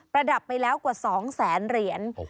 ระดับไปแล้วกว่า๒แสนเหรียญ